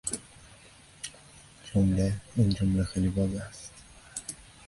این جمله خیلی واضح است.